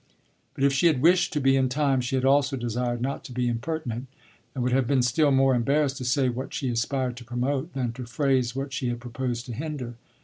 But if she had wished to be in time she had also desired not to be impertinent, and would have been still more embarrassed to say what she aspired to promote than to phrase what she had proposed to hinder.